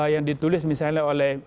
yang ditulis misalnya oleh